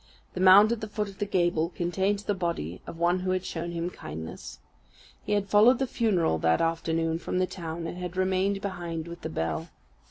The mound at the foot of the gable contained the body of one who had shown him kindness. He had followed the funeral that afternoon from the town, and had remained behind with the bell.